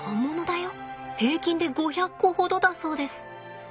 平均で５００個ほどだそうです。